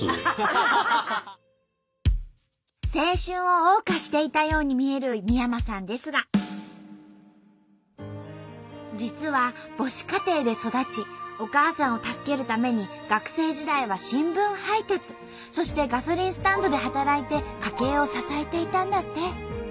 青春を謳歌していたように見える三山さんですが実は母子家庭で育ちお母さんを助けるために学生時代は新聞配達そしてガソリンスタンドで働いて家計を支えていたんだって。